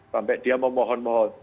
sampai dia memohon mohon